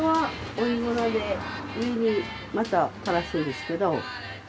追い上にまたたらすんですけど。